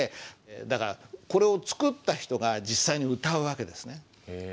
だからこれを作った人が実際に歌う訳ですね。